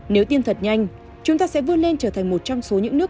nếu tiên thật nhanh chúng ta sẽ vươn lên trở thành một trong số những nước